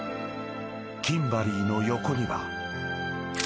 ［キンバリーの横には］